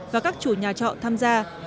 và các chủ nhà trọ tham gia